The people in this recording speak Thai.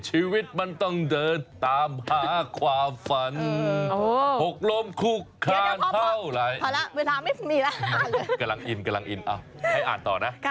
ชีวิตมันต้องเดินตามหาความฝัน